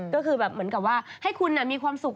ก็คือแบบเหมือนกับว่าให้คุณมีความสุข